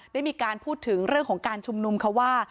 ได้มีการพูดถึงเรื่องของการชุมนุมค่ะว่า